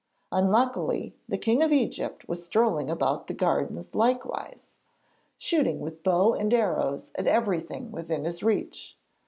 Unluckily, the King of Egypt was strolling about the gardens likewise, shooting with bow and arrows at everything within his reach.